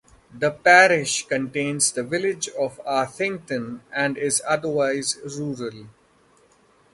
The parish contains the village of Arthington and is otherwise rural.